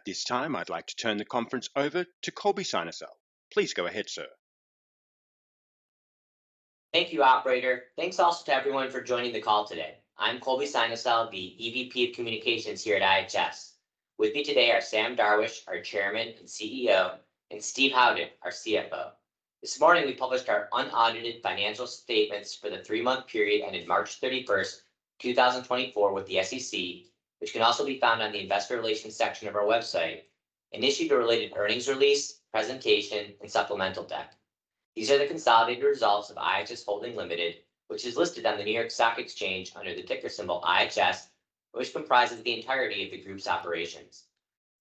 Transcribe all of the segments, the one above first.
At this time I'd like to turn the conference over to Colby Synesael. Please go ahead, sir. Thank you, operator. Thanks also to everyone for joining the call today. I'm Colby Synesael, the EVP of Communications here at IHS. With me today are Sam Darwish, our Chairman and CEO, and Steve Howden, our CFO. This morning we published our unaudited financial statements for the three-month period ended March 31, 2024 with the SEC, which can also be found on the Investor Relations section of our website, and issued a related earnings release, presentation, and supplemental deck. These are the consolidated results of IHS Holding Limited, which is listed on the New York Stock Exchange under the ticker symbol IHS, which comprises the entirety of the group's operations.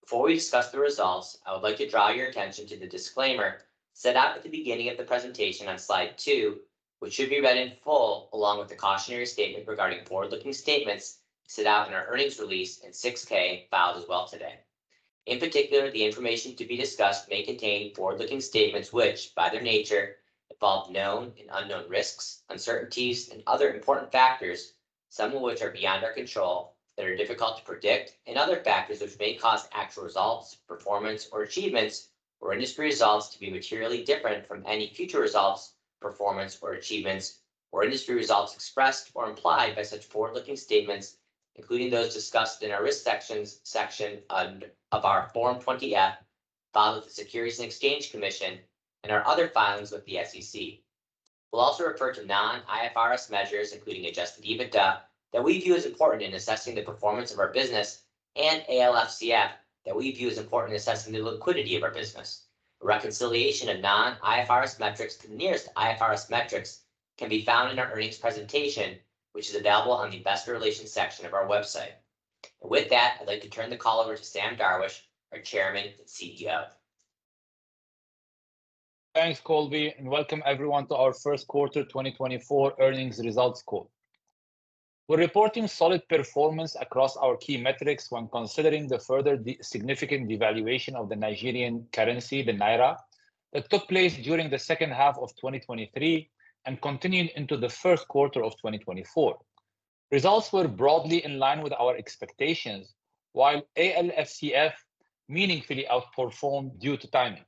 Before we discuss the results, I would like to draw your attention to the disclaimer set out at the beginning of the presentation on slide two, which should be read in full along with the cautionary statement regarding forward-looking statements set out in our earnings release and Form 6-K filed as well today. In particular, the information to be discussed may contain forward-looking statements which, by their nature, involve known and unknown risks, uncertainties, and other important factors, some of which are beyond our control, that are difficult to predict, and other factors which may cause actual results, performance, or achievements, or industry results to be materially different from any future results, performance, or achievements, or industry results expressed or implied by such forward-looking statements, including those discussed in our risk section of our Form 20-F filed with the Securities and Exchange Commission and our other filings with the SEC. We'll also refer to non-IFRS measures, including Adjusted EBITDA, that we view as important in assessing the performance of our business, and ALFCF, that we view as important in assessing the liquidity of our business. A reconciliation of non-IFRS metrics to the nearest IFRS metrics can be found in our earnings presentation, which is available on the Investor Relations section of our website. With that, I'd like to turn the call over to Sam Darwish, our Chairman and CEO. Thanks, Colby, and welcome everyone to our first quarter 2024 earnings results call. We're reporting solid performance across our key metrics when considering the further significant devaluation of the Nigerian currency, the Naira, that took place during the second half of 2023 and continued into the first quarter of 2024. Results were broadly in line with our expectations, while ALFCF meaningfully outperformed due to timing.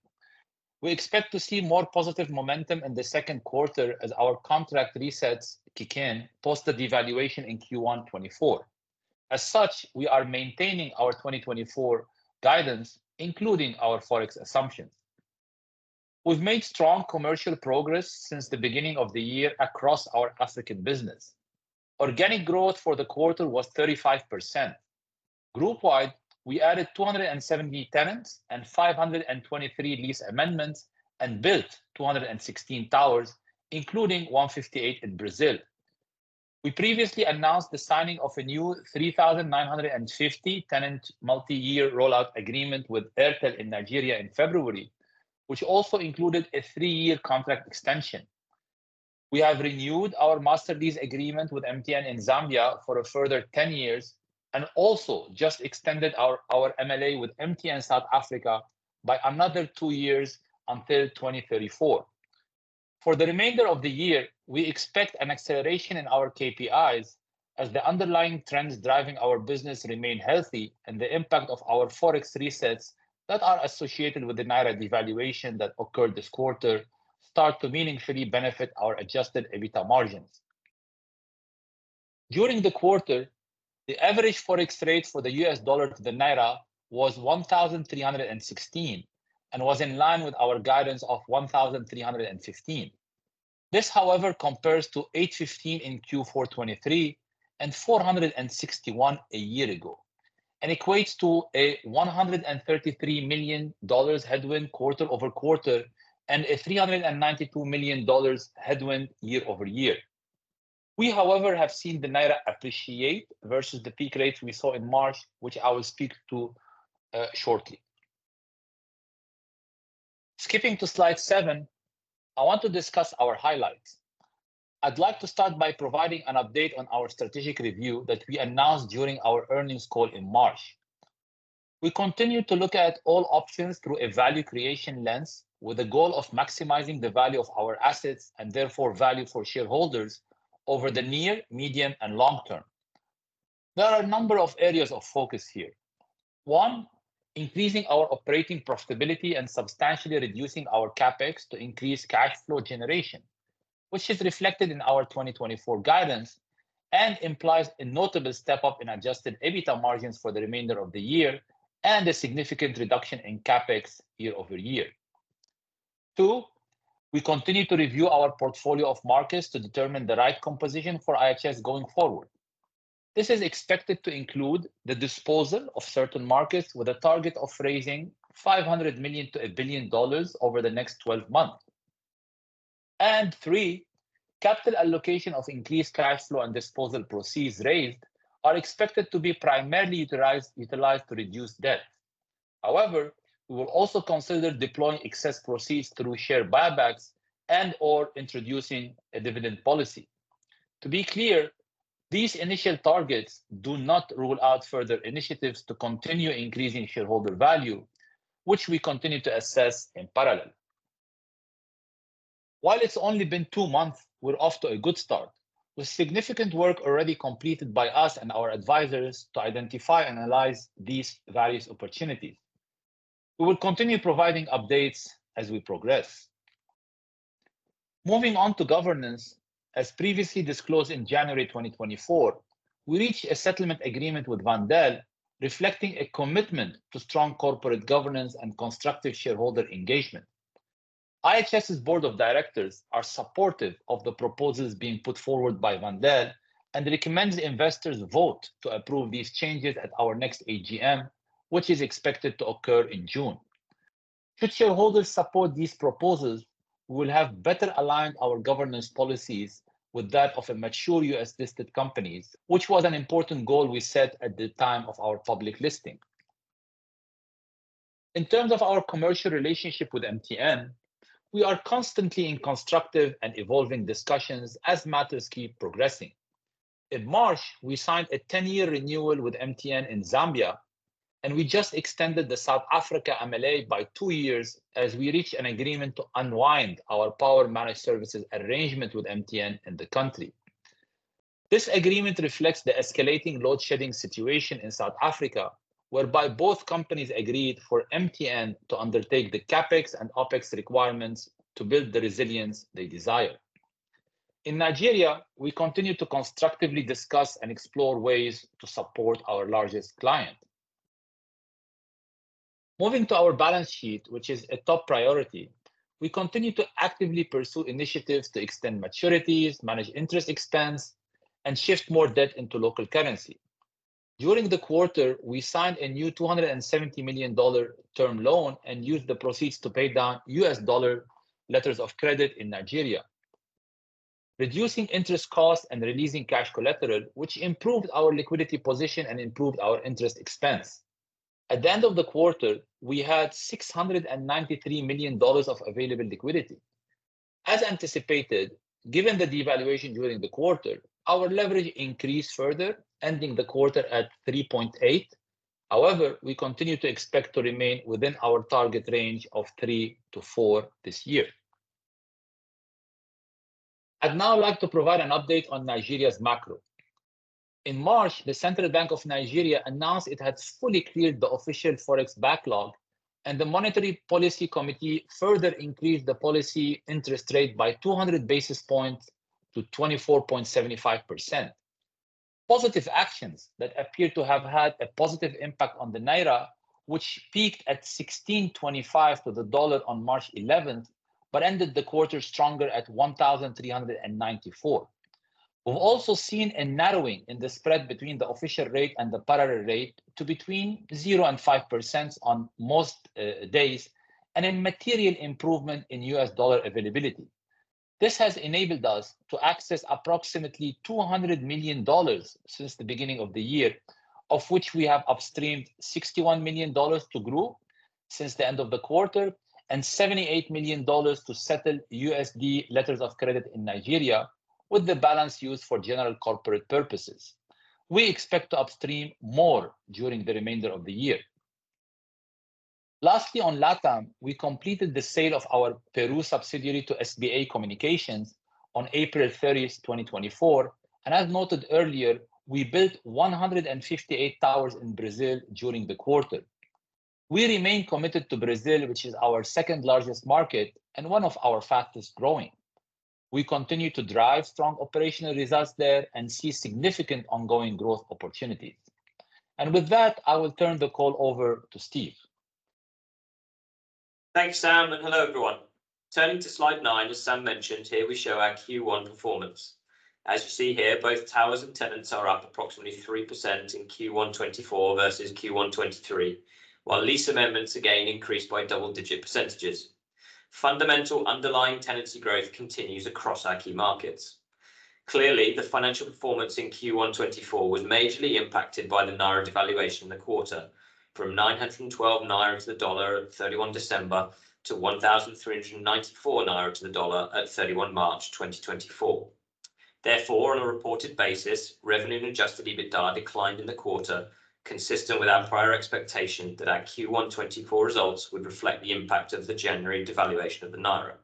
We expect to see more positive momentum in the second quarter as our contract resets kick in post the devaluation in Q1 2024. As such, we are maintaining our 2024 guidance, including our forex assumptions. We've made strong commercial progress since the beginning of the year across our African business. Organic growth for the quarter was 35%. Groupwide, we added 270 tenants and 523 lease amendments and built 216 towers, including 158 in Brazil. We previously announced the signing of a new 3,950-tenant multi-year rollout agreement with Airtel in Nigeria in February, which also included a three-year contract extension. We have renewed our master lease agreement with MTN in Zambia for a further 10 years and also just extended our MLA with MTN South Africa by another two years until 2034. For the remainder of the year, we expect an acceleration in our KPIs, as the underlying trends driving our business remain healthy and the impact of our forex resets that are associated with the Naira devaluation that occurred this quarter start to meaningfully benefit our Adjusted EBITDA margins. During the quarter, the average forex rate for the USD to the Naira was 1,316 and was in line with our guidance of 1,315. This, however, compares to 815 in Q4 2023 and 461 a year ago and equates to a $133 million headwind quarter-over-quarter and a $392 million headwind year-over-year. We, however, have seen the Naira appreciate versus the peak rates we saw in March, which I will speak to shortly. Skipping to slide seven, I want to discuss our highlights. I'd like to start by providing an update on our strategic review that we announced during our earnings call in March. We continue to look at all options through a value creation lens with the goal of maximizing the value of our assets and therefore value for shareholders over the near, medium, and long term. There are a number of areas of focus here. One, increasing our operating profitability and substantially reducing our CapEx to increase cash flow generation, which is reflected in our 2024 guidance and implies a notable step up in Adjusted EBITDA margins for the remainder of the year and a significant reduction in CapEx year-over-year. Two, we continue to review our portfolio of markets to determine the right composition for IHS going forward. This is expected to include the disposal of certain markets with a target of raising $500 million to $1 billion over the next 12 months. Three, capital allocation of increased cash flow and disposal proceeds raised are expected to be primarily utilized to reduce debt. However, we will also consider deploying excess proceeds through share buybacks and/or introducing a dividend policy. To be clear, these initial targets do not rule out further initiatives to continue increasing shareholder value, which we continue to assess in parallel. While it's only been two months, we're off to a good start with significant work already completed by us and our advisors to identify and analyze these various opportunities. We will continue providing updates as we progress. Moving on to governance, as previously disclosed in January 2024, we reached a settlement agreement with Wendel reflecting a commitment to strong corporate governance and constructive shareholder engagement. IHS's Board of Directors are supportive of the proposals being put forward by Wendel and recommend investors vote to approve these changes at our next AGM, which is expected to occur in June. Should shareholders support these proposals, we will have better aligned our governance policies with that of mature U.S.-listed companies, which was an important goal we set at the time of our public listing. In terms of our commercial relationship with MTN, we are constantly in constructive and evolving discussions as matters keep progressing. In March, we signed a 10-year renewal with MTN in Zambia, and we just extended the South Africa MLA by two years as we reached an agreement to unwind our Power Managed Services arrangement with MTN in the country. This agreement reflects the escalating load-shedding situation in South Africa, whereby both companies agreed for MTN to undertake the CapEx and OpEx requirements to build the resilience they desire. In Nigeria, we continue to constructively discuss and explore ways to support our largest client. Moving to our balance sheet, which is a top priority, we continue to actively pursue initiatives to extend maturities, manage interest expense, and shift more debt into local currency. During the quarter, we signed a new $270 million term loan and used the proceeds to pay down USD letters of credit in Nigeria, reducing interest costs and releasing cash collateral, which improved our liquidity position and improved our interest expense. At the end of the quarter, we had $693 million of available liquidity. As anticipated, given the devaluation during the quarter, our leverage increased further, ending the quarter at 3.8. However, we continue to expect to remain within our target range of three to four this year. I'd now like to provide an update on Nigeria's macro. In March, the Central Bank of Nigeria announced it had fully cleared the official forex backlog, and the Monetary Policy Committee further increased the policy interest rate by 200 basis points to 24.75%. Positive actions that appear to have had a positive impact on the Naira, which peaked at 1,625 to the dollar on March 11 but ended the quarter stronger at 1,394. We've also seen a narrowing in the spread between the official rate and the parallel rate to between 0% and 5% on most days, and a material improvement in USD availability. This has enabled us to access approximately $200 million since the beginning of the year, of which we have upstreamed $61 million to grow since the end of the quarter and $78 million to settle USD letters of credit in Nigeria with the balance used for general corporate purposes. We expect to upstream more during the remainder of the year. Lastly, on LatAm, we completed the sale of our Peru subsidiary to SBA Communications on April 30, 2024, and as noted earlier, we built 158 towers in Brazil during the quarter. We remain committed to Brazil, which is our second-largest market and one of our fastest growing. We continue to drive strong operational results there and see significant ongoing growth opportunities. With that, I will turn the call over to Steve. Thanks, Sam, and hello everyone. Turning to slide nine, as Sam mentioned, here we show our Q1 performance. As you see here, both towers and tenants are up approximately 3% in Q1 2024 versus Q1 2023, while lease amendments again increased by double-digit percentages. Fundamental underlying tenancy growth continues across our key markets. Clearly, the financial performance in Q1 2024 was majorly impacted by the Naira devaluation in the quarter, from 912 Naira to the dollar at 31 December to 1,394 Naira to the dollar at 31 March 2024. Therefore, on a reported basis, revenue, Adjusted EBITDA declined in the quarter, consistent with our prior expectation that our Q1 2024 results would reflect the impact of the January devaluation of the Naira.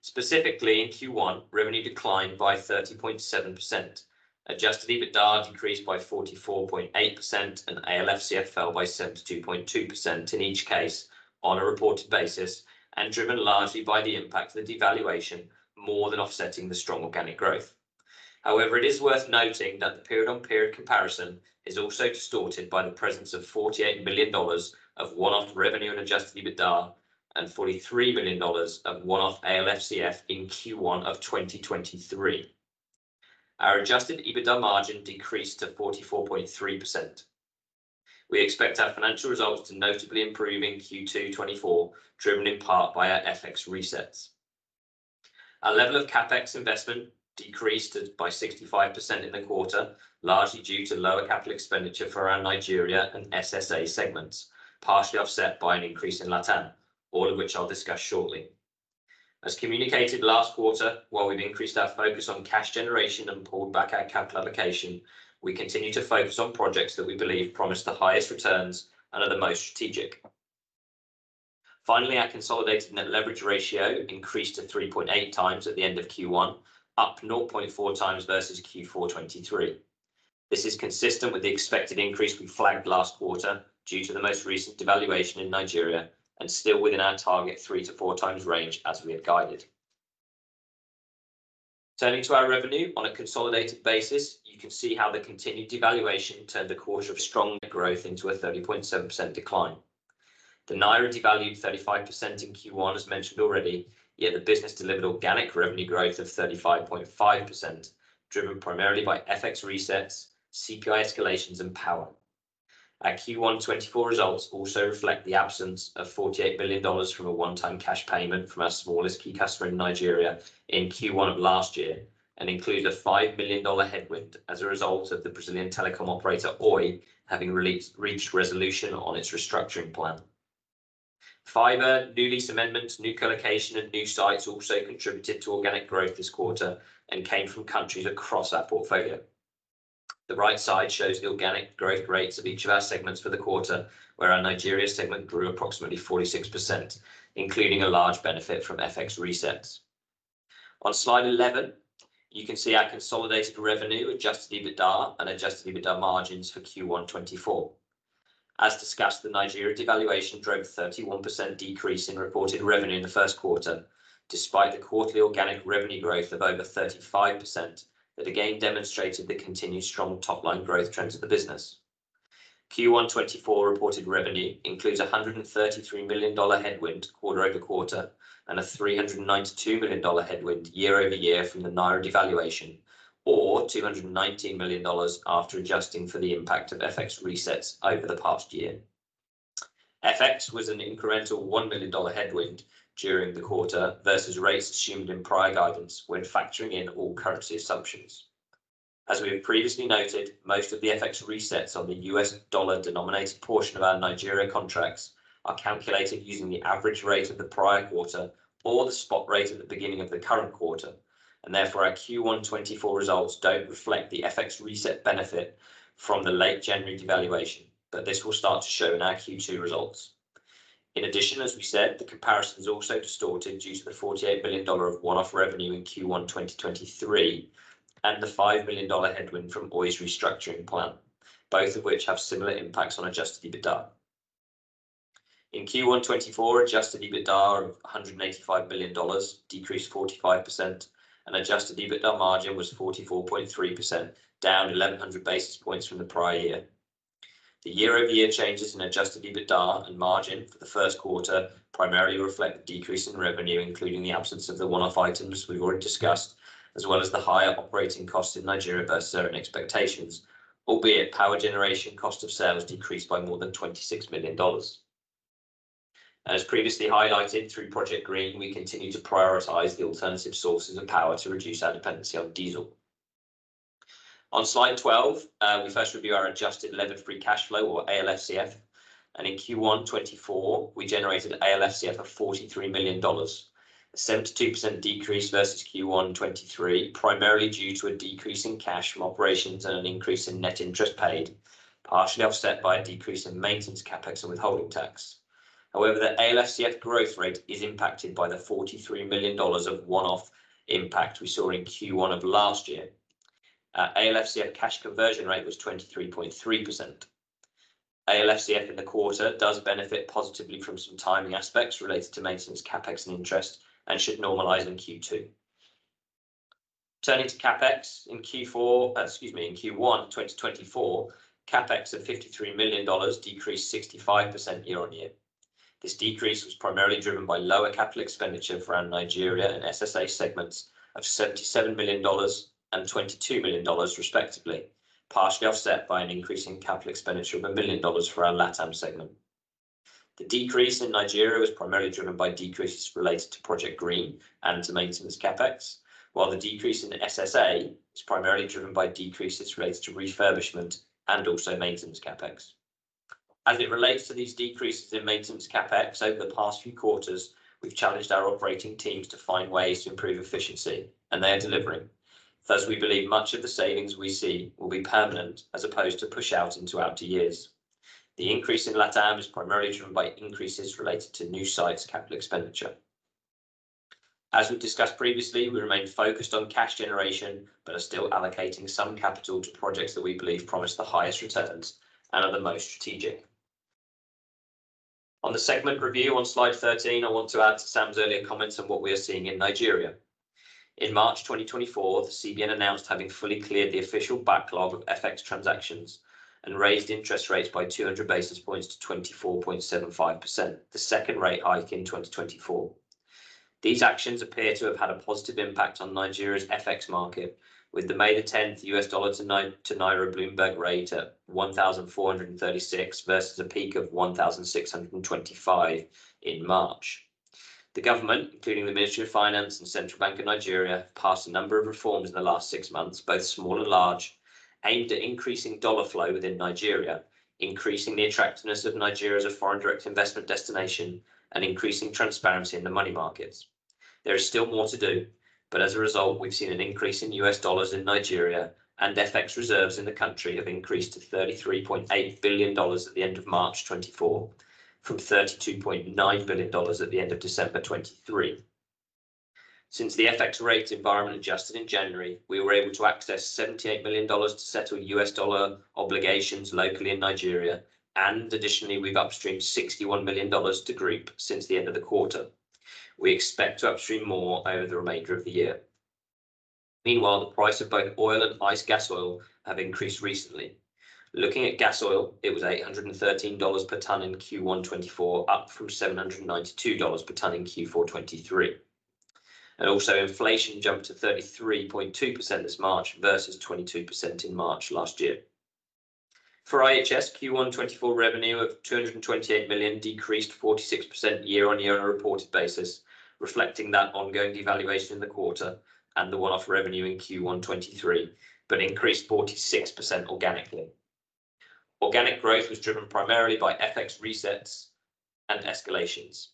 Specifically, in Q1, revenue declined by 30.7%, Adjusted EBITDA decreased by 44.8%, and ALFCF fell by 72.2% in each case on a reported basis, and driven largely by the impact of the devaluation more than offsetting the strong organic growth. However, it is worth noting that the period-on-period comparison is also distorted by the presence of $48 million of one-off revenue, Adjusted EBITDA and $43 million of one-off ALFCF in Q1 of 2023. Our Adjusted EBITDA margin decreased to 44.3%. We expect our financial results to notably improve in Q2 2024, driven in part by our FX resets. Our level of CapEx investment decreased by 65% in the quarter, largely due to lower capital expenditure for our Nigeria and SSA segments, partially offset by an increase in LatAm, all of which I'll discuss shortly. As communicated last quarter, while we've increased our focus on cash generation and pulled back our capital allocation, we continue to focus on projects that we believe promise the highest returns and are the most strategic. Finally, our consolidated net leverage ratio increased to 3.8x at the end of Q1, up 0.4x versus Q4 2023. This is consistent with the expected increase we flagged last quarter due to the most recent devaluation in Nigeria and still within our target 3x-4x range as we had guided. Turning to our revenue on a consolidated basis, you can see how the continued devaluation turned the quarter of strong growth into a 30.7% decline. The Naira devalued 35% in Q1, as mentioned already, yet the business delivered organic revenue growth of 35.5%, driven primarily by FX resets, CPI escalations, and power. Our Q1 2024 results also reflect the absence of $48 million from a one-time cash payment from our smallest key customer in Nigeria in Q1 of last year and include a $5 million headwind as a result of the Brazilian telecom operator Oi having reached resolution on its restructuring plan. Fiber, new lease amendments, new collocation, and new sites also contributed to organic growth this quarter and came from countries across our portfolio. The right side shows the organic growth rates of each of our segments for the quarter, where our Nigeria segment grew approximately 46%, including a large benefit from FX resets. On slide 11, you can see our consolidated revenue, Adjusted EBITDA, and Adjusted EBITDA margins for Q1 2024. As discussed, the Nigeria devaluation drove a 31% decrease in reported revenue in the first quarter, despite the quarterly organic revenue growth of over 35% that again demonstrated the continued strong top-line growth trends of the business. Q1 2024 reported revenue includes a $133 million headwind quarter-over-quarter and a $392 million headwind year-over-year from the Naira devaluation, or $219 million after adjusting for the impact of FX resets over the past year. FX was an incremental $1 million headwind during the quarter versus rates assumed in prior guidance when factoring in all currency assumptions. As we have previously noted, most of the FX resets on the USD denominated portion of our Nigeria contracts are calculated using the average rate of the prior quarter or the spot rate at the beginning of the current quarter, and therefore our Q1 2024 results don't reflect the FX reset benefit from the late January devaluation, but this will start to show in our Q2 2024 results. In addition, as we said, the comparison is also distorted due to the $48 million of one-off revenue in Q1 2023 and the $5 million headwind from Oi's restructuring plan, both of which have similar impacts on Adjusted EBITDA. In Q1 2024, Adjusted EBITDA of $185 million decreased 45%, and Adjusted EBITDA margin was 44.3%, down 1,100 basis points from the prior year. The year-over-year changes in Adjusted EBITDA and margin for the first quarter primarily reflect the decrease in revenue, including the absence of the one-off items we've already discussed, as well as the higher operating costs in Nigeria versus current expectations, albeit power generation cost of sales decreased by more than $26 million. As previously highlighted through Project Green, we continue to prioritize the alternative sources of power to reduce our dependency on diesel. On slide 12, we first review our Adjusted Levered Free Cash Flow, or ALFCF, and in Q1 2024, we generated ALFCF of $43 million, a 72% decrease versus Q1 2023, primarily due to a decrease in cash from operations and an increase in net interest paid, partially offset by a decrease in maintenance CapEx and withholding tax. However, the ALFCF growth rate is impacted by the $43 million of one-off impact we saw in Q1 of last year. Our ALFCF cash conversion rate was 23.3%. ALFCF in the quarter does benefit positively from some timing aspects related to maintenance CapEx and interest and should normalize in Q2. Turning to CapEx in Q4 excuse me, in Q1 2024, CapEx of $53 million decreased 65% year-over-year. This decrease was primarily driven by lower capital expenditure for our Nigeria and SSA segments of $77 million and $22 million, respectively, partially offset by an increase in capital expenditure of $1 million for our LatAm segment. The decrease in Nigeria was primarily driven by decreases related to Project Green and to maintenance CapEx, while the decrease in SSA is primarily driven by decreases related to refurbishment and also maintenance CapEx. As it relates to these decreases in maintenance CapEx over the past few quarters, we've challenged our operating teams to find ways to improve efficiency, and they are delivering. Thus, we believe much of the savings we see will be permanent as opposed to push out into outer years. The increase in LatAm is primarily driven by increases related to new sites' capital expenditure. As we discussed previously, we remain focused on cash generation but are still allocating some capital to projects that we believe promise the highest returns and are the most strategic. On the segment review on slide 13, I want to add to Sam's earlier comments on what we are seeing in Nigeria. In March 2024, the CBN announced having fully cleared the official backlog of FX transactions and raised interest rates by 200 basis points to 24.75%, the second rate hike in 2024. These actions appear to have had a positive impact on Nigeria's FX market, with the May 10th USD to Naira Bloomberg rate at 1,436 versus a peak of 1,625 in March. The government, including the Ministry of Finance and Central Bank of Nigeria, have passed a number of reforms in the last six months, both small and large, aimed at increasing dollar flow within Nigeria, increasing the attractiveness of Nigeria as a foreign direct investment destination, and increasing transparency in the money markets. There is still more to do, but as a result, we've seen an increase in USD in Nigeria and FX reserves in the country have increased to $33.8 billion at the end of March 2024 from $32.9 billion at the end of December 2023. Since the FX rate environment adjusted in January, we were able to access $78 million to settle USD obligations locally in Nigeria, and additionally, we've upstreamed $61 million to group since the end of the quarter. We expect to upstream more over the remainder of the year. Meanwhile, the price of both oil and diesel gas oil have increased recently. Looking at gas oil, it was $813 per tonne in Q1 2024, up from $792 per tonne in Q4 2023. Also, inflation jumped to 33.2% this March versus 22% in March last year. For IHS, Q1 2024 revenue of $228 million decreased 46% year-on-year on a reported basis, reflecting that ongoing devaluation in the quarter and the one-off revenue in Q1 2023, but increased 46% organically. Organic growth was driven primarily by FX resets and escalations.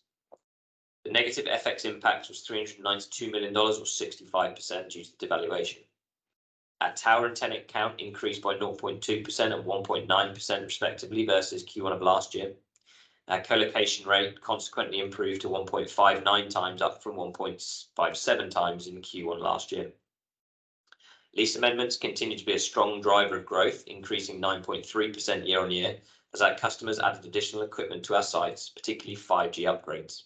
The negative FX impact was $392 million, or 65%, due to the devaluation. Our tower and tenant count increased by 0.2% and 1.9%, respectively, versus Q1 of last year. Our collocation rate consequently improved to 1.59x, up from 1.57x in Q1 last year. Lease amendments continue to be a strong driver of growth, increasing 9.3% year-over-year as our customers added additional equipment to our sites, particularly 5G upgrades.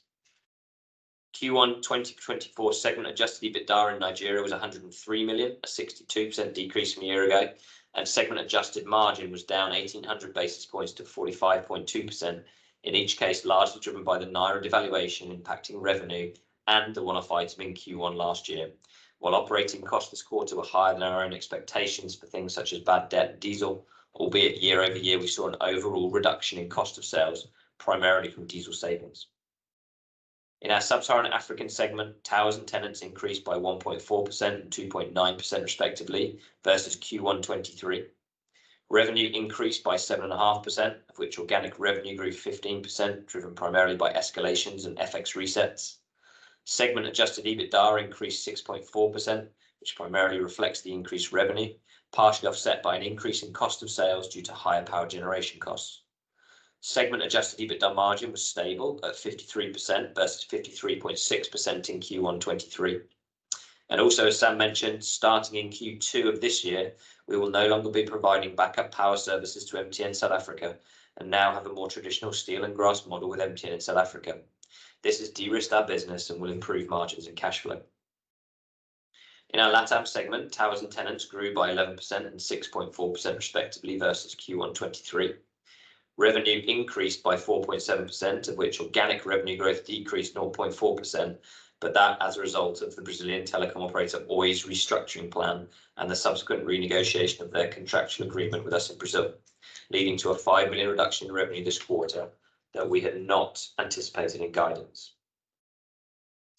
Q1 2024 segment Adjusted EBITDA in Nigeria was $103 million, a 62% decrease from a year ago, and segment adjusted margin was down 1,800 basis points to 45.2%, in each case largely driven by the Naira devaluation impacting revenue and the one-off items in Q1 last year. While operating costs this quarter were higher than our own expectations for things such as bad debt and diesel, albeit year-over-year we saw an overall reduction in cost of sales, primarily from diesel savings. In our sub-Saharan African segment, towers and tenants increased by 1.4% and 2.9%, respectively, versus Q1 2023. Revenue increased by 7.5%, of which organic revenue grew 15%, driven primarily by escalations and FX resets. Segment Adjusted EBITDA increased 6.4%, which primarily reflects the increased revenue, partially offset by an increase in cost of sales due to higher power generation costs. Segment Adjusted EBITDA margin was stable at 53% versus 53.6% in Q1 2023. Also, as Sam mentioned, starting in Q2 of this year, we will no longer be providing backup power services to MTN South Africa and now have a more traditional steel and grass model with MTN in South Africa. This has de-risked our business and will improve margins and cash flow. In our LatAm segment, towers and tenants grew by 11% and 6.4%, respectively, versus Q1 2023. Revenue increased by 4.7%, of which organic revenue growth decreased 0.4%, but that as a result of the Brazilian telecom operator Oi's restructuring plan and the subsequent renegotiation of their contractual agreement with us in Brazil, leading to a $5 million reduction in revenue this quarter that we had not anticipated in guidance.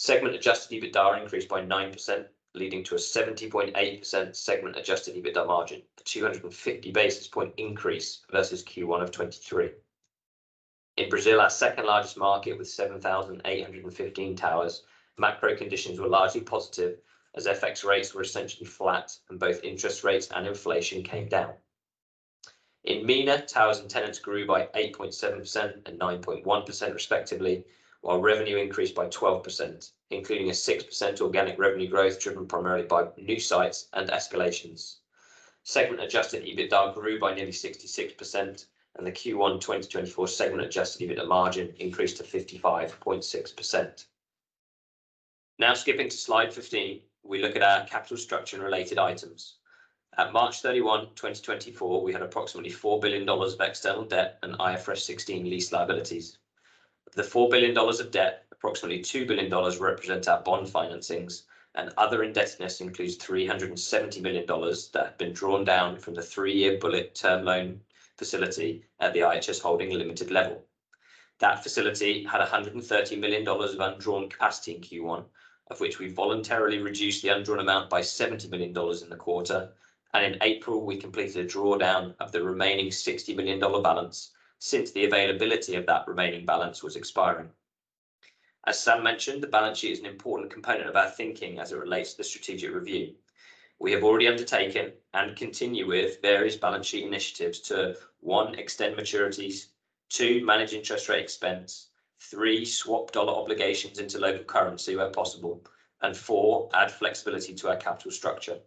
Segment Adjusted EBITDA increased by 9%, leading to a 70.8% segment Adjusted EBITDA margin, a 250 basis point increase versus Q1 of 2023. In Brazil, our second largest market with 7,815 towers, macro conditions were largely positive as FX rates were essentially flat and both interest rates and inflation came down. In MENA, towers and tenants grew by 8.7% and 9.1%, respectively, while revenue increased by 12%, including a 6% organic revenue growth driven primarily by new sites and escalations. Segment Adjusted EBITDA grew by nearly 66%, and the Q1 2024 segment Adjusted EBITDA margin increased to 55.6%. Now, skipping to slide 15, we look at our capital structure and related items. At March 31, 2024, we had approximately $4 billion of external debt and IFRS 16 lease liabilities. Of the $4 billion of debt, approximately $2 billion represent our bond financings, and other indebtedness includes $370 million that had been drawn down from the three-year bullet term loan facility at the IHS Holding Limited level. That facility had $130 million of undrawn capacity in Q1, of which we voluntarily reduced the undrawn amount by $70 million in the quarter, and in April, we completed a drawdown of the remaining $60 million balance since the availability of that remaining balance was expiring. As Sam mentioned, the balance sheet is an important component of our thinking as it relates to the strategic review. We have already undertaken and continue with various balance sheet initiatives to, one, extend maturities, two, manage interest rate expense, three, swap dollar obligations into local currency where possible, and four, add flexibility to our capital structure.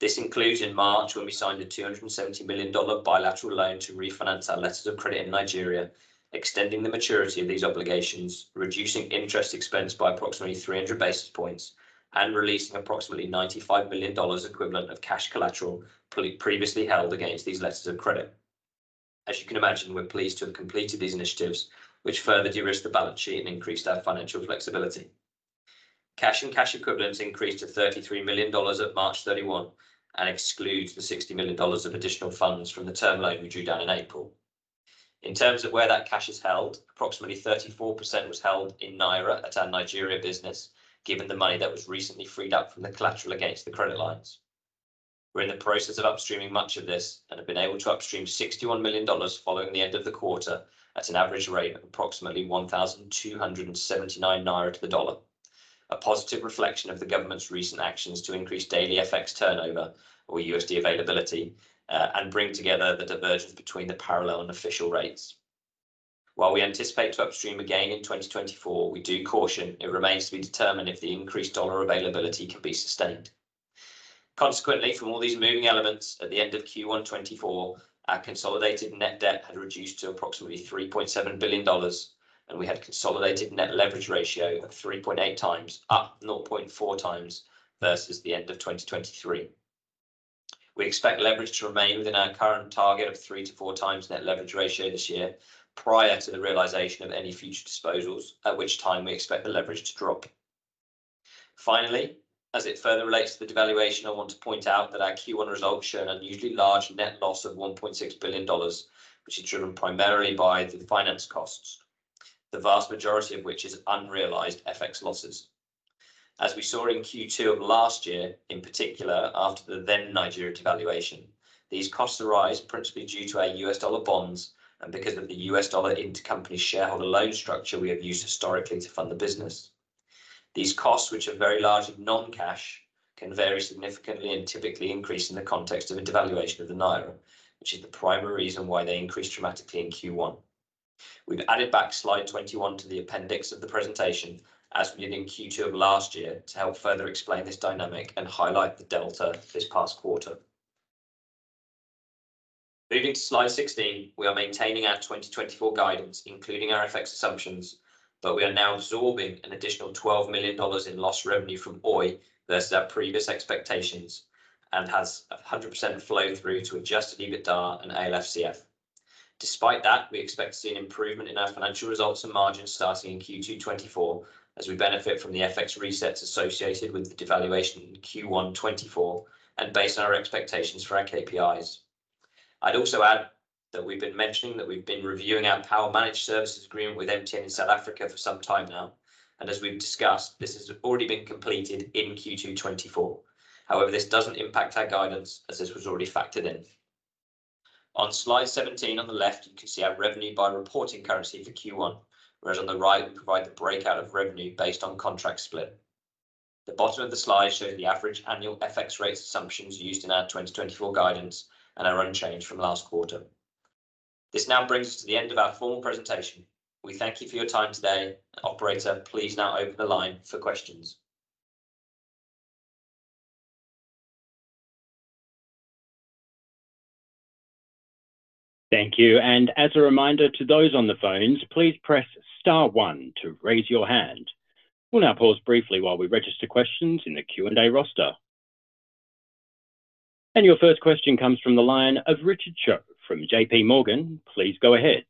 This includes, in March, when we signed a $270 million bilateral loan to refinance our letters of credit in Nigeria, extending the maturity of these obligations, reducing interest expense by approximately 300 basis points, and releasing approximately $95 million equivalent of cash collateral previously held against these letters of credit. As you can imagine, we're pleased to have completed these initiatives, which further de-risked the balance sheet and increased our financial flexibility. Cash and cash equivalents increased to $33 million at March 31 and exclude the $60 million of additional funds from the term loan we drew down in April. In terms of where that cash is held, approximately 34% was held in Naira at our Nigeria business, given the money that was recently freed up from the collateral against the credit lines. We're in the process of upstreaming much of this and have been able to upstream $61 million following the end of the quarter at an average rate of approximately 1,279 Naira to the dollar, a positive reflection of the government's recent actions to increase daily FX turnover, or USD availability, and bring together the divergence between the parallel and official rates. While we anticipate to upstream again in 2024, we do caution it remains to be determined if the increased dollar availability can be sustained. Consequently, from all these moving elements, at the end of Q1 2024, our consolidated net debt had reduced to approximately $3.7 billion, and we had a consolidated net leverage ratio of 3.8x, up 0.4x versus the end of 2023. We expect leverage to remain within our current target of 3x-4x net leverage ratio this year prior to the realization of any future disposals, at which time we expect the leverage to drop. Finally, as it further relates to the devaluation, I want to point out that our Q1 results show an unusually large net loss of $1.6 billion, which is driven primarily by the finance costs, the vast majority of which is unrealized FX losses. As we saw in Q2 of last year, in particular after the then Nigeria devaluation, these costs arise principally due to our USD bonds and because of the USD intercompany shareholder loan structure we have used historically to fund the business. These costs, which are very largely non-cash, can vary significantly and typically increase in the context of a devaluation of the Naira, which is the primary reason why they increased dramatically in Q1. We've added back slide 21 to the appendix of the presentation as we did in Q2 of last year to help further explain this dynamic and highlight the delta this past quarter. Moving to slide 16, we are maintaining our 2024 guidance, including our FX assumptions, but we are now absorbing an additional $12 million in lost revenue from Oi versus our previous expectations and has 100% flow through to Adjusted EBITDA and ALFCF. Despite that, we expect to see an improvement in our financial results and margins starting in Q2 2024 as we benefit from the FX resets associated with the devaluation in Q1 2024 and based on our expectations for our KPIs. I'd also add that we've been mentioning that we've been reviewing our power managed services agreement with MTN in South Africa for some time now, and as we've discussed, this has already been completed in Q2 2024. However, this doesn't impact our guidance as this was already factored in. On slide 17 on the left, you can see our revenue by reporting currency for Q1, whereas on the right, we provide the breakout of revenue based on contract split. The bottom of the slide shows the average annual FX rates assumptions used in our 2024 guidance and are unchanged from last quarter. This now brings us to the end of our formal presentation. We thank you for your time today, and operator, please now open the line for questions. Thank you. As a reminder to those on the phones, please press star one to raise your hand. We'll now pause briefly while we register questions in the Q&A roster. Your first question comes from the line of Richard Choe from JPMorgan. Please go ahead.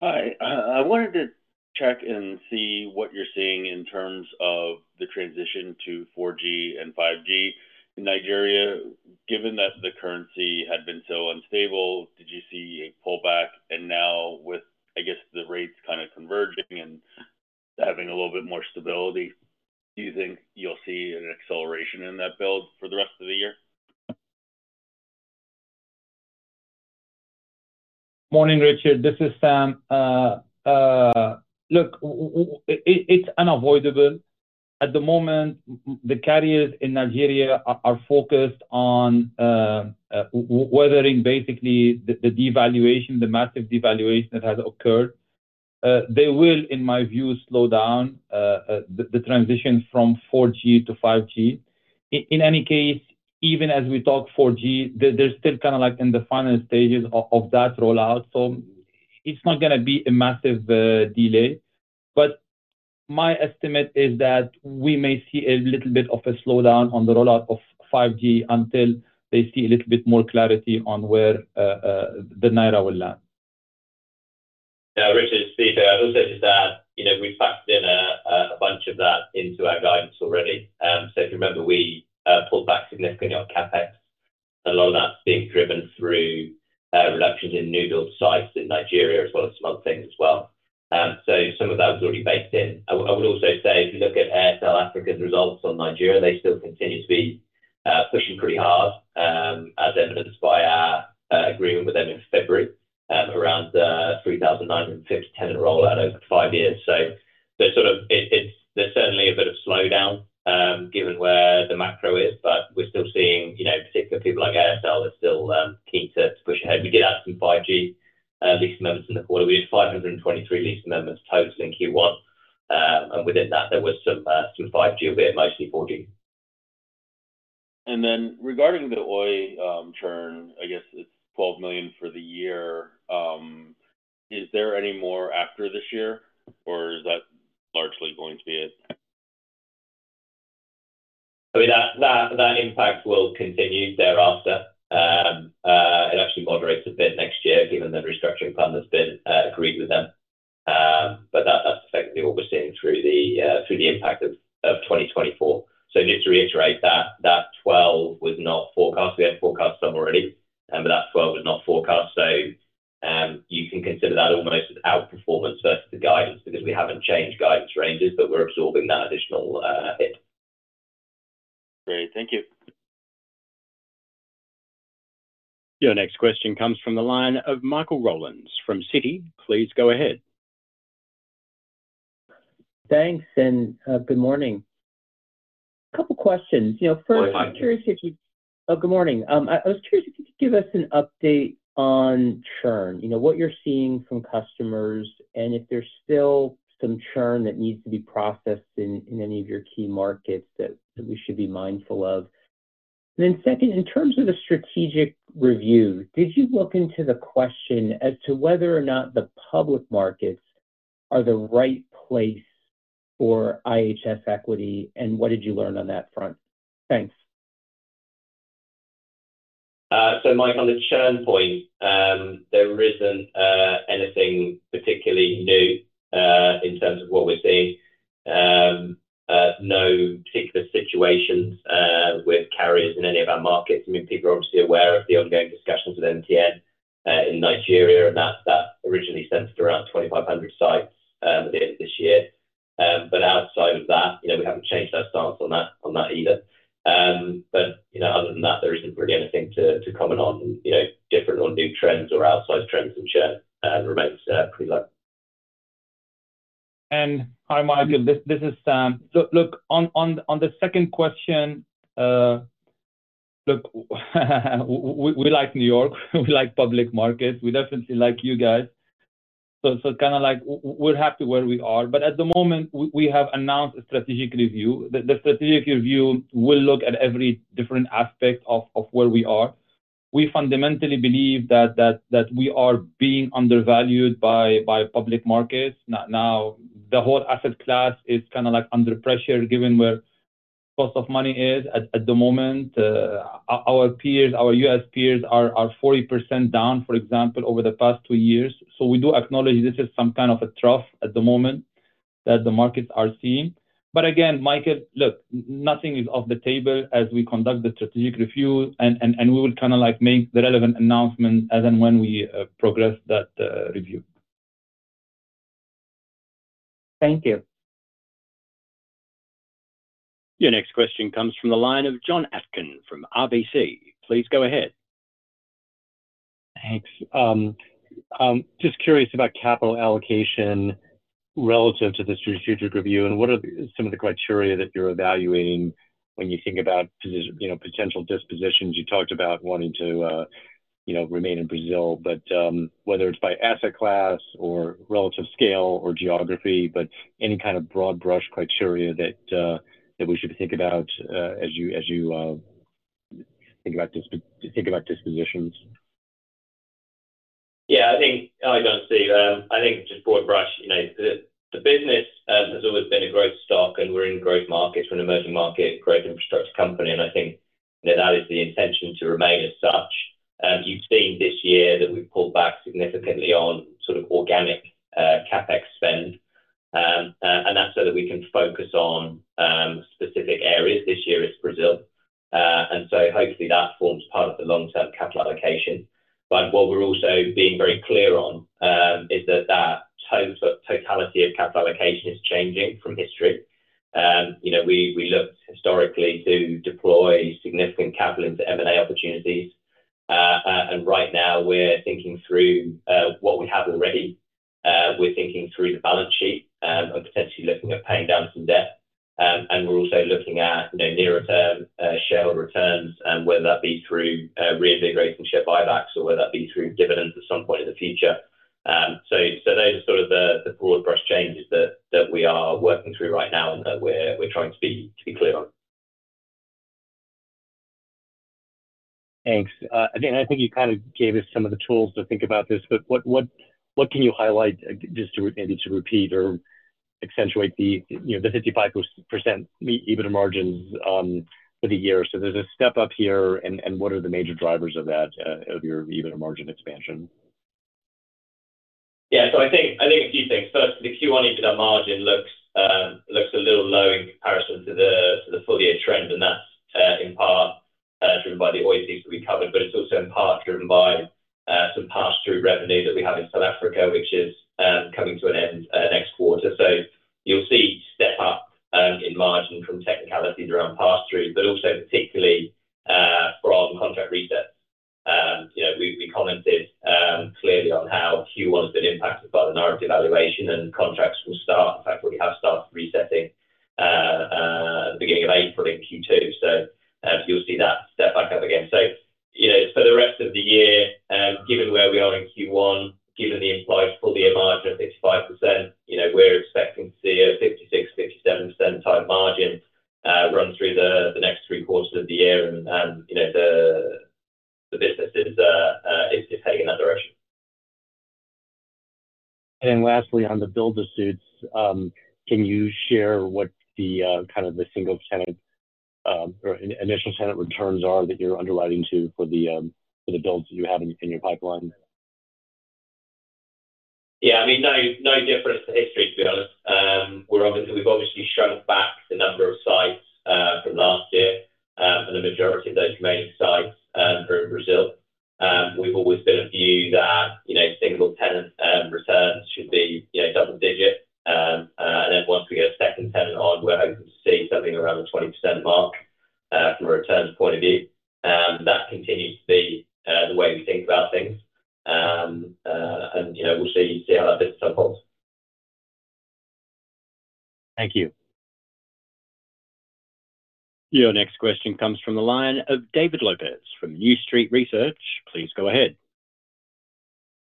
Hi. I wanted to check and see what you're seeing in terms of the transition to 4G and 5G in Nigeria. Given that the currency had been so unstable, did you see a pullback? And now with, I guess, the rates kind of converging and having a little bit more stability, do you think you'll see an acceleration in that build for the rest of the year? Morning, Richard. This is Sam. Look, it's unavoidable. At the moment, the carriers in Nigeria are focused on weathering, basically, the devaluation, the massive devaluation that has occurred. They will, in my view, slow down the transition from 4G to 5G. In any case, even as we talk 4G, they're still kind of in the final stages of that rollout. So it's not going to be a massive delay. But my estimate is that we may see a little bit of a slowdown on the rollout of 5G until they see a little bit more clarity on where the Naira will land. Yeah, Richard, Steve, I'd also just add we've factored in a bunch of that into our guidance already. So if you remember, we pulled back significantly on CapEx, and a lot of that's being driven through reductions in new-built sites in Nigeria as well as some other things as well. So some of that was already baked in. I would also say if you look at Airtel Africa's results on Nigeria, they still continue to be pushing pretty hard, as evidenced by our agreement with them in February around 3,950 tenant rollout over five years. So there's certainly a bit of slowdown given where the macro is, but we're still seeing particular people like Airtel are still keen to push ahead. We did add some 5G lease amendments in the quarter. We did 523 lease amendments total in Q1. And within that, there was some 5G a bit, mostly 4G. Then regarding the Oi churn, I guess it's $12 million for the year. Is there any more after this year, or is that largely going to be it? I mean, that impact will continue thereafter. It actually moderates a bit next year given the restructuring plan that's been agreed with them. But that's effectively what we're seeing through the impact of 2024. So just to reiterate, that 12 was not forecast. We had forecast some already, but that 12 was not forecast. So you can consider that almost as outperformance versus the guidance because we haven't changed guidance ranges, but we're absorbing that additional hit. Great. Thank you. Your next question comes from the line of Michael Rollins from Citi. Please go ahead. Thanks, and good morning. A couple of questions. First, I'm curious if you could give us an update on churn, what you're seeing from customers, and if there's still some churn that needs to be processed in any of your key markets that we should be mindful of. Second, in terms of the strategic review, did you look into the question as to whether or not the public markets are the right place for IHS equity, and what did you learn on that front? Thanks. So, Mike, on the churn point, there isn't anything particularly new in terms of what we're seeing. No particular situations with carriers in any of our markets. I mean, people are obviously aware of the ongoing discussions with MTN in Nigeria, and that originally centered around 2,500 sites at the end of this year. But outside of that, we haven't changed our stance on that either. But other than that, there isn't really anything to comment on. Different or new trends or outside trends in churn remain pretty low. And hi, Michael. This is Sam, look, on the second question, look, we like New York. We like public markets. We definitely like you guys. So kind of we're happy where we are. But at the moment, we have announced a strategic review. The strategic review will look at every different aspect of where we are. We fundamentally believe that we are being undervalued by public markets. Now, the whole asset class is kind of under pressure given where cost of money is at the moment. Our U.S. peers are 40% down, for example, over the past two years. So we do acknowledge this is some kind of a trough at the moment that the markets are seeing. But again, Michael, look, nothing is off the table as we conduct the strategic review, and we will kind of make the relevant announcements as and when we progress that review. Thank you. Your next question comes from the line of Jon Atkin from RBC. Please go ahead. Thanks. Just curious about capital allocation relative to the strategic review, and what are some of the criteria that you're evaluating when you think about potential dispositions? You talked about wanting to remain in Brazil, but whether it's by asset class or relative scale or geography, but any kind of broad-brush criteria that we should think about as you think about dispositions. Yeah, I think I don't see them. I think just broad-brush. The business has always been a growth stock, and we're in growth markets. We're an emerging market, growth infrastructure company, and I think that is the intention to remain as such. You've seen this year that we've pulled back significantly on sort of organic CapEx spend, and that's so that we can focus on specific areas. This year, it's Brazil. And so hopefully, that forms part of the long-term capital allocation. But what we're also being very clear on is that that totality of capital allocation is changing from history. We looked historically to deploy significant capital into M&A opportunities. And right now, we're thinking through what we have already. We're thinking through the balance sheet and potentially looking at paying down some debt. We're also looking at nearer-term shareholder returns, whether that be through reinvigorating share buybacks or whether that be through dividends at some point in the future. Those are sort of the broad-brush changes that we are working through right now and that we're trying to be clear on. Thanks. Again, I think you kind of gave us some of the tools to think about this, but what can you highlight just maybe to repeat or accentuate the 55% EBITDA margins for the year? So there's a step up here, and what are the major drivers of that, of your EBITDA margin expansion? Yeah, so I think a few things. First, the Q1 EBITDA margin looks a little low in comparison to the full-year trend, and that's in part driven by the Oi piece that we covered, but it's also in part driven by some pass-through revenue that we have in South Africa, which is coming to an end next quarter. So you'll see step-up in margin from technicalities around pass-through, but also particularly from contract resets. We commented clearly on how Q1 has been impacted by the naira devaluation, and contracts will start. In fact, we already have started resetting at the beginning of April in Q2. So you'll see that step back up again. So for the rest of the year, given where we are in Q1, given the implied full-year margin of 55%, we're expecting to see a 56%-57% type margin run through the next three quarters of the year, and the business is heading in that direction. And then lastly, on the build-to-suit, can you share what kind of the single-tenant or initial tenant returns are that you're underwriting to for the builds that you have in your pipeline? Yeah, I mean, no difference to history, to be honest. We've obviously shrunk back the number of sites from last year, and the majority of those remaining sites are in Brazil. We've always been of view that single-tenant returns should be double-digit. And then once we get a second tenant on, we're hoping to see something around the 20% mark from a returns point of view. That continues to be the way we think about things. And we'll see how that business unfolds. Thank you. Your next question comes from the line of David Lopes from New Street Research. Please go ahead.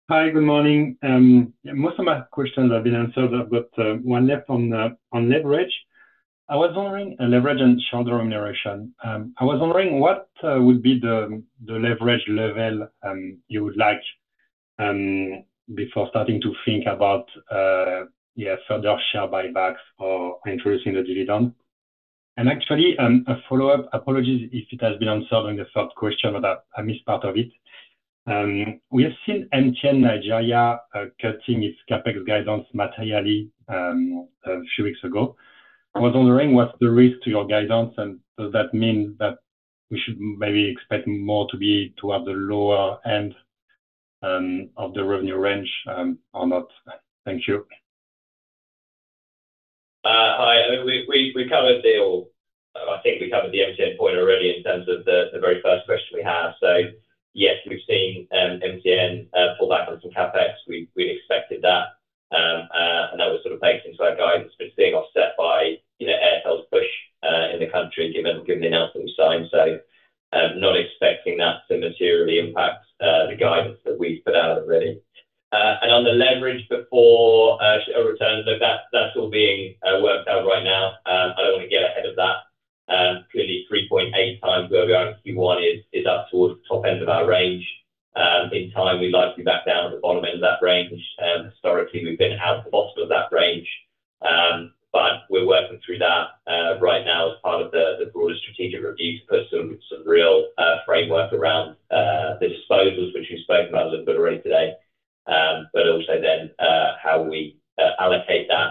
Hi, good morning. Most of my questions have been answered. I've got one left on leverage. I was wondering leverage and shareholder remuneration. I was wondering what would be the leverage level you would like before starting to think about further share buybacks or introducing the dividend. And actually, a follow-up. Apologies if it has been answered on the first question, but I missed part of it. We have seen MTN Nigeria cutting its CapEx guidance materially a few weeks ago. I was wondering what's the risk to your guidance, and does that mean that we should maybe expect more to be toward the lower end of the revenue range or not? Thank you. Hi. We covered it all. I think we covered the MTN point already in terms of the very first question we have. So yes, we've seen MTN pull back on some CapEx. We'd expected that, and that was sort of baked into our guidance. It's been seen offset by Airtel's push in the country given the announcement we signed. So not expecting that to materially impact the guidance that we've put out already. And on the leverage before returns, look, that's all being worked out right now. I don't want to get ahead of that. Clearly, 3.8x where we are in Q1 is up towards the top end of our range. In time, we'd likely back down at the bottom end of that range. Historically, we've been out at the bottom of that range. But we're working through that right now as part of the broader strategic review to put some real framework around the disposals, which we spoke about a little bit already today, but also then how we allocate that.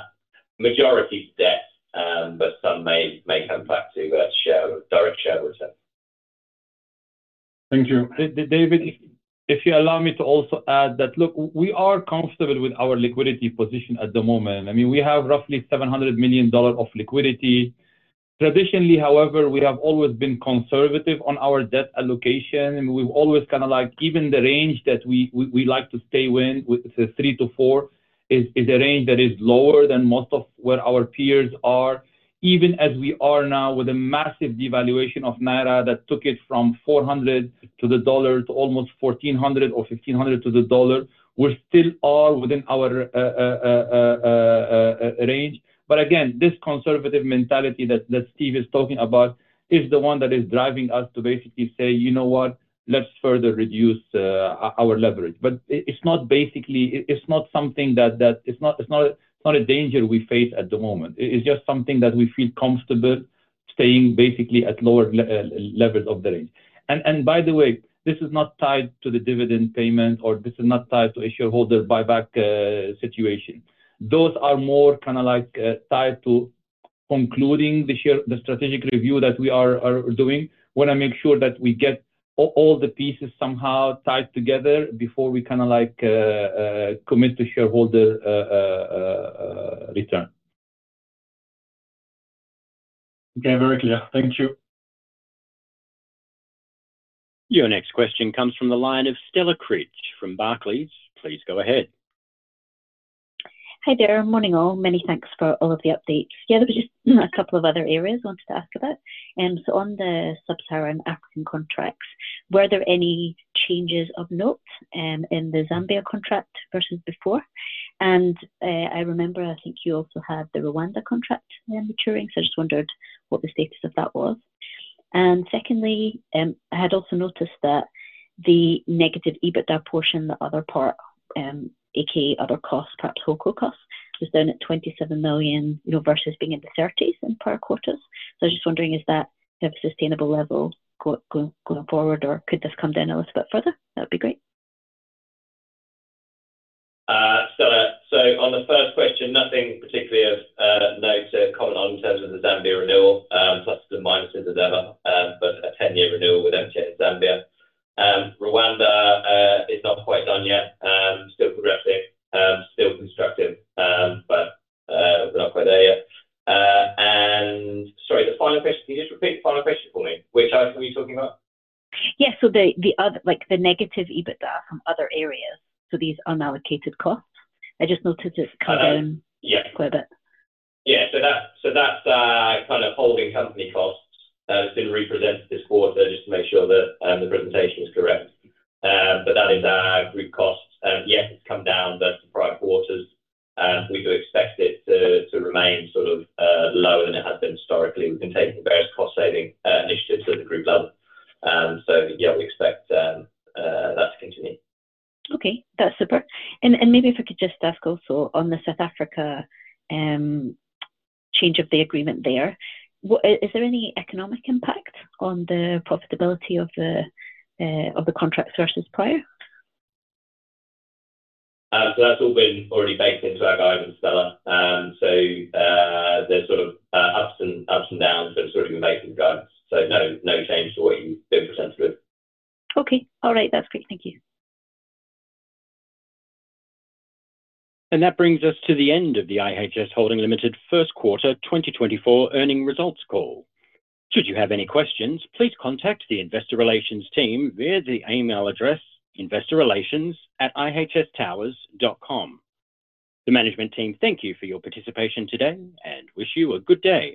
Majority to debt, but some may come back to direct shareholder return. Thank you. David, if you allow me to also add that, look, we are comfortable with our liquidity position at the moment. I mean, we have roughly $700 million of liquidity. Traditionally, however, we have always been conservative on our debt allocation. And we've always kind of even the range that we like to stay with, it's a 3x-4x, is a range that is lower than most of where our peers are. Even as we are now with a massive devaluation of Naira that took it from 400 to the dollar to almost 1,400 or 1,500 to the dollar, we still are within our range. But again, this conservative mentality that Steve is talking about is the one that is driving us to basically say, "You know what? Let's further reduce our leverage." But it's not basically something that is a danger we face at the moment. It's just something that we feel comfortable staying basically at lower levels of the range. And by the way, this is not tied to the dividend payment, or this is not tied to a shareholder buyback situation. Those are more kind of tied to concluding the strategic review that we are doing, when I make sure that we get all the pieces somehow tied together before we kind of commit to shareholder return. Okay, very clear. Thank you. Your next question comes from the line of Stella Cridge from Barclays. Please go ahead. Hi there. Morning all. Many thanks for all of the updates. Yeah, there were just a couple of other areas I wanted to ask about. So on the Sub-Saharan African contracts, were there any changes of note in the Zambia contract versus before? And I remember, I think you also had the Rwanda contract maturing, so I just wondered what the status of that was. And secondly, I had also noticed that the negative EBITDA portion, the other part, a.k.a. other costs, perhaps OpEx costs, was down at $27 million versus being in the 30s in prior quarters. So I was just wondering, is that kind of a sustainable level going forward, or could this come down a little bit further? That would be great. Stella, so on the first question, nothing particularly of note to comment on in terms of the Zambia renewal, pluses and minuses as ever, but a 10-year renewal with MTN in Zambia. Rwanda is not quite done yet. Still progressing. Still constructive, but we're not quite there yet. And sorry, the final question. Can you just repeat the final question for me, which item are you talking about? Yes, so the negative EBITDA from other areas, so these unallocated costs. I just noticed it's come down quite a bit. Yeah, so that's kind of holding company costs. It's been represented this quarter just to make sure that the presentation is correct. But that is our group costs. Yes, it's come down versus prior quarters. We do expect it to remain sort of lower than it has been historically. We've been taking various cost-saving initiatives at the group level. So yeah, we expect that to continue. Okay, that's super. Maybe if I could just ask also on the South Africa change of the agreement there, is there any economic impact on the profitability of the contracts versus prior? That's all been already baked into our guidance, Stella. There's sort of ups and downs that have sort of been baked into the guidance. No change to what you've been presented with. Okay. All right. That's great. Thank you. That brings us to the end of the IHS Holding Limited first quarter 2024 earnings results call. Should you have any questions, please contact the Investor Relations team via the email address investorrelations@ihstowers.com. The management team thank you for your participation today and wish you a good day.